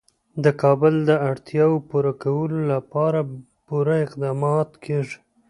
د کابل د اړتیاوو پوره کولو لپاره پوره اقدامات کېږي.